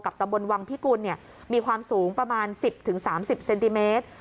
ตำบลวังพิกุลมีความสูงประมาณ๑๐๓๐เซนติเมตร